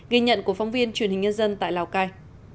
ghi nhận của phóng viên truyền hình nhân dân tại lào cai